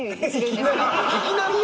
いきなり？